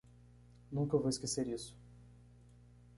Nunca vou esquecer isso.